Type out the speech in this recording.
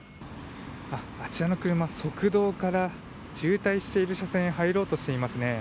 あちらの車、側道から渋滞している車線へ入ろうとしていますね。